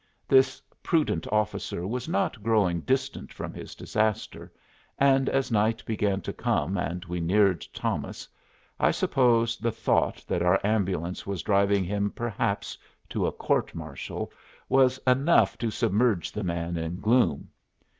This prudent officer was not growing distant from his disaster, and as night began to come, and we neared Thomas, I suppose the thought that our ambulance was driving him perhaps to a court martial was enough to submerge the man in gloom.